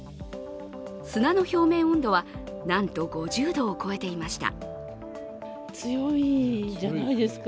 砂の表面温度は、なんと５０度を超えていました。